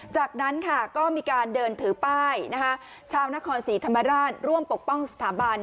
จากนั้นค่ะก็มีการเดินถือป้ายชาวนครศรีธรรมราชร่วมปกป้องสถาบัน